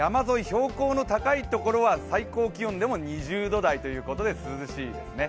標高の高いところは最高気温でも２０度台ということで涼しいですね。